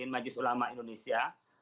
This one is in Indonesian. majelis ulama indonesia